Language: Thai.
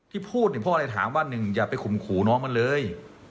ที่พูดเนี่ยพ่อเลยถามว่าหนึ่งอย่าไปขุมขู่น้องมันเลย